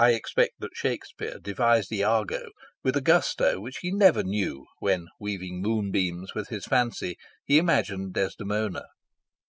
I expect that Shakespeare devised Iago with a gusto which he never knew when, weaving moonbeams with his fancy, he imagined Desdemona.